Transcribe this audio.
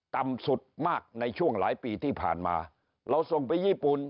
ต่ำสุดมากในช่วงหลายปีที่ผ่านมาเราส่งไปญี่ปุ่น